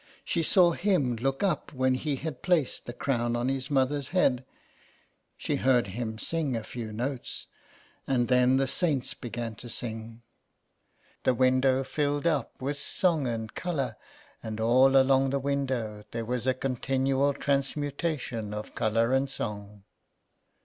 She saw Him look up when He had placed the 107 SOME PARISHIONERS. crown on His Mother's head; she heard Him sing a few notes, and then the saints began to sing. The window filled up with song and colour, and all along the window there was a continual transmutation of colour and song.